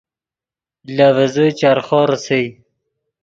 لے ڤیزے چرخو ریسئے